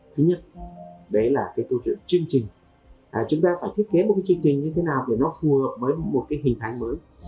thứ nhất đấy là cái câu chuyện chương trình chúng ta phải thiết kế một cái chương trình như thế nào để nó phù hợp với một cái hình thái mới